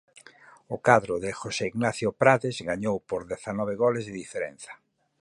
O cadro de José Ignacio Prades gañou por dezanove goles de diferenza.